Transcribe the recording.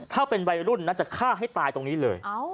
ถ้าเป็นวัยรุ่นนะจะฆ่าให้ตายตรงนี้เลย